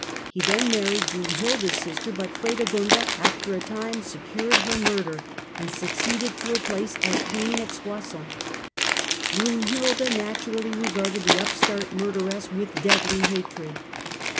He then married Brunhilda's sister, but Fredegonda after a time secured her murder, and succeeded to her place as queen at Soissons. Brunhilda naturally re garded the upstart murderess with deadly hatred.